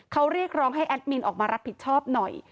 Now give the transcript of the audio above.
เขาเรียกร้องให้แอดมินออกมารับผิดชอบหน่อย